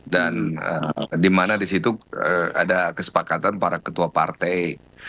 dan dimana di situ ada kesepakatan para ketua partai